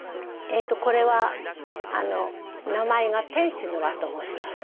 これは名前が「天使の輪」と申します。